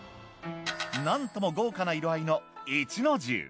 なんとも豪華な色合いの壱の重。